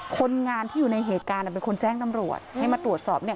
คนงานที่อยู่ในเหตุการณ์เป็นคนแจ้งตำรวจให้มาตรวจสอบเนี่ย